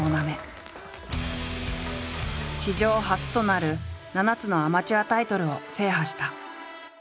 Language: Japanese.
史上初となる７つのアマチュアタイトルを制覇した。